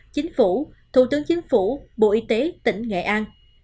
chính phủ thủ tướng chính phủ bộ y tế tỉnh nghệ an